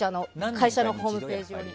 会社のホームページ用に。